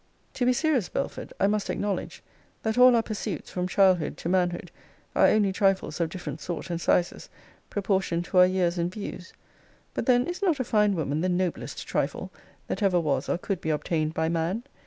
To be serious, Belford, I must acknowledge, that all our pursuits, from childhood to manhood, are only trifles of different sort and sizes, proportioned to our years and views: but then is not a fine woman the noblest trifle, that ever was or could be obtained by man?